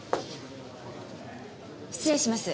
失礼します。